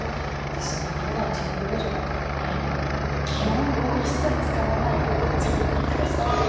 私ねふだん自分で文章を書くときに擬音語を一切使わないことを自分に課してる。